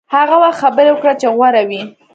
هغه وخت خبرې وکړه چې غوره وي.